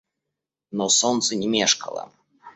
Но солнце не мешкало.